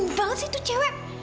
peling banget sih itu cewek